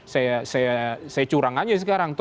saya curang aja sekarang